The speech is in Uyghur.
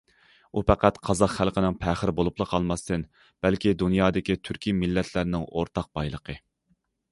ئۇ پەقەت قازاق خەلقىنىڭ پەخرى بولۇپلا قالماستىن، بەلكى دۇنيادىكى تۈركىي مىللەتلىرىنىڭ ئورتاق بايلىقى.